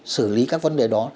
xử lý các vấn đề đó